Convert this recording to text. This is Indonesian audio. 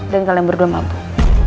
dan kalian berdua mabuk